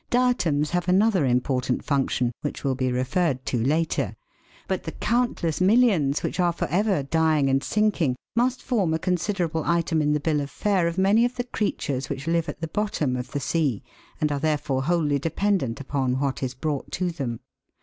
Diatoms have another important function, which will be referred to later, but the countless millions which are for ever dying and sinking must form a considerable item in the bill of fare of many of the creatures which live at the bottom of the sea, and are therefore wholly dependent upon what is brought to them.